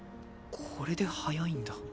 これで早いんだ。